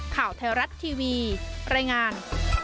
ข่าวไทยรัฐทีวีรายงาน